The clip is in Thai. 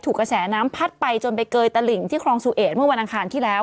กระแสน้ำพัดไปจนไปเกยตลิ่งที่คลองสุเอดเมื่อวันอังคารที่แล้ว